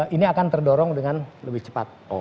ini akan terdorong dengan lebih cepat